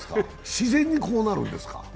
自然にこうなるんですか？